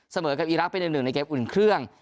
เสมอกับอีรักไป๑๑ในเกมอุ่นเครื่อง